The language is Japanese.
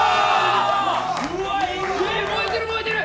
燃えてる、燃えてる！